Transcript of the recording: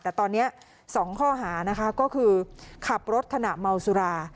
แต่ตอนนี้๒ข้อหานะคะก็คือขับรถขณะเมาสุรา